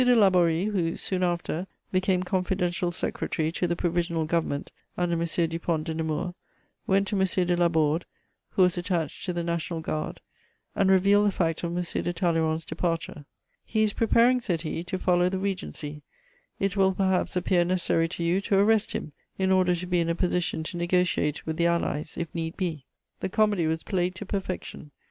de Laborie, who, soon after, became confidential secretary to the Provisional Government under M. Dupont de Nemours, went to M. de Laborde, who was attached to the National Guard, and revealed the fact of M. de Talleyrand's departure: "He is preparing," said he, "to follow the Regency; it will perhaps appear necessary to you to arrest him, in order to be in a position to negociate with the Allies if need be." The comedy was played to perfection.